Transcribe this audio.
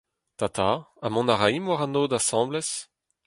Tata, ha mont a raimp war an aod asambles ?